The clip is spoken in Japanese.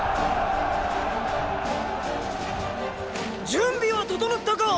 準備は整ったか！！